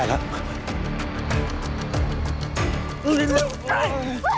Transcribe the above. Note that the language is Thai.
เฮ้ยมีใครอยู่นี่เว้ย